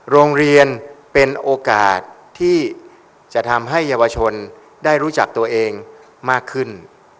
โรงเรียนเป็นโอกาสที่จะทำให้เยาวชนได้รู้จักตัวเองมากขึ้น